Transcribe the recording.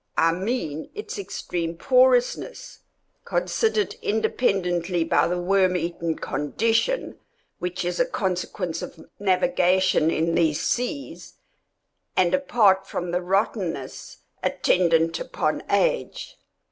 I mean its extreme porousness, considered independently by the worm eaten condition which is a consequence of navigation in these seas, and apart from the rottenness attendant upon age.